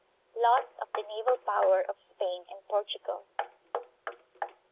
Loss of the Naval Power of Spain and Portugal.